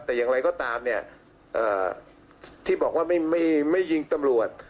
แต่อย่างไรก็ตามเนี่ยที่บอกว่าไม่ยิงตำรวจ